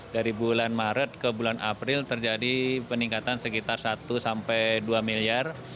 dari bulan maret ke bulan april terjadi peningkatan sekitar satu sampai dua miliar